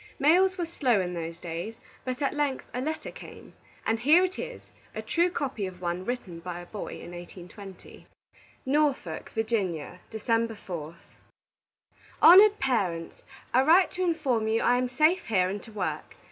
Mails were slow in those days, but at length a letter came; and here it is, a true copy of one written by a boy in 1820: NORFOLK, VA., December 4th. "HONORED PARENTS: I write to inform you I am safe here and to work.